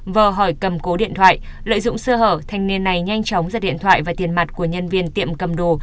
vờ hỏi cầm cố điện thoại lợi dụng sơ hở thanh niên này nhanh chóng giật điện thoại và tiền mặt của nhân viên tiệm cầm đồ